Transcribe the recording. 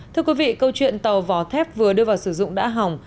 thưa quý vị câu chuyện tàu vỏ thép vừa đưa vào sử dụng đã hỏng